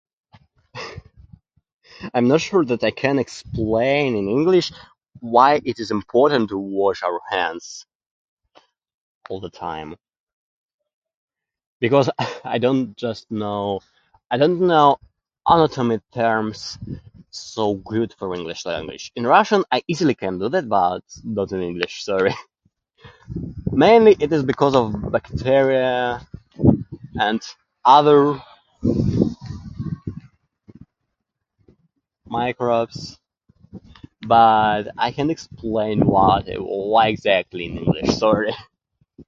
I'm not sure that I can explain in English why it is important to wash our hands all the time. Because I don't just know, I don't know ultimate terms so good for English in English. In Russian, I easily can do that, but not in English, sorry. Mainly it is because of bacteria and other microbes, but I can't explain what, why exactly in English, sorry.